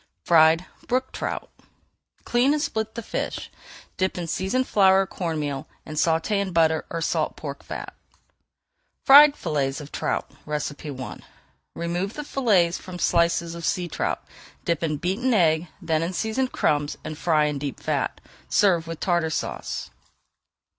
FRIED BROOK TROUT Clean and split the fish, dip in seasoned flour or corn meal, and sauté in butter or salt pork fat. FRIED FILLETS OF TROUT I Remove the fillets from slices of sea trout, dip in beaten egg, then in seasoned crumbs, and fry in deep fat. Serve with Tartar Sauce.